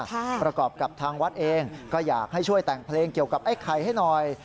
ประกอบกับทางวัดเองก็อยากให้ช่วยแต่งเพลงเกี่ยวกับไอ้ไข่ให้หน่อย